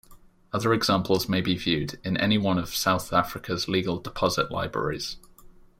Other examples may be viewed in any one of South Africa's legal deposit libraries.